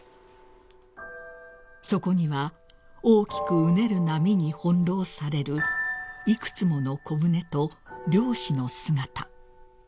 ［そこには大きくうねる波に翻弄される幾つもの小舟と漁師の姿］